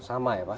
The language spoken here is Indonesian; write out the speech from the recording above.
sama ya pak